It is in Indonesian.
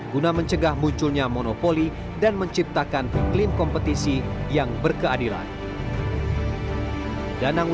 guna mencegah munculnya monopoli dan menciptakan iklim kompetisi yang berkeadilan